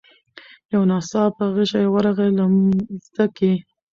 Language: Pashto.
یو ناڅاپه غشی ورغی له مځکي